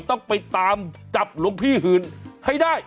ต้องไปตามจับหลวงพี่หื่นให้ได้